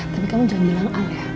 tapi kamu jangan bilang al ya